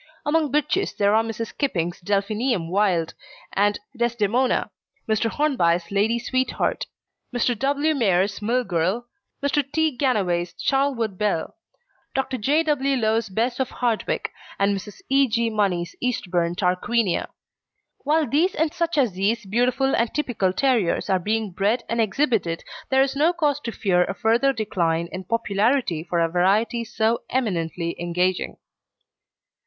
Among bitches there are Mrs. Kipping's Delphinium Wild and Desdemona, Mr. Hornby's Lady Sweetheart, Mr. W. Mayor's Mill Girl, Mr. T. Gannaway's Charlwood Belle, Dr. J. W. Low's Bess of Hardwicke, and Mrs. E. G. Money's Eastbourne Tarqueenia. While these and such as these beautiful and typical terriers are being bred and exhibited there is no cause to fear a further decline in popularity for a variety so eminently engaging.